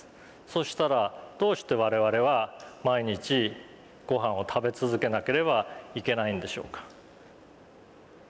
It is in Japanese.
そしたらどうして我々は毎日ご飯を食べ続けなければいけないんでしょうか？